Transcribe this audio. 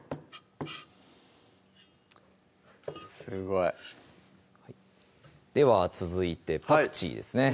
すごいでは続いてパクチーですね